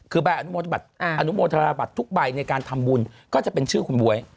คือใบอนุโมธนบัตรทุกใบในการทำบุญก็จะเป็นชื่อคุณบ๊วย